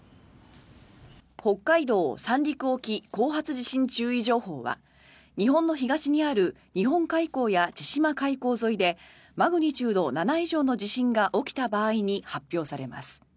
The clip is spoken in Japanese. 北海道・三陸沖後発地震注意情報は日本の東にある日本海溝や千島海溝沿いでマグニチュード７以上の地震が起きた場合に発表されます。